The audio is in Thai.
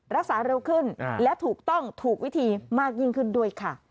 รักษาเร็วขึ้นและถูกต้องถูกวิธีมากยิ่งขึ้นด้วยค่ะ